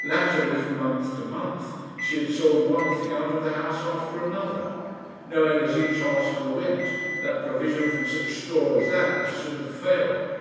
Latterly, from month to month, she had sold one thing out of the house after another, knowing as each article went that provision from such store as that must soon fail her.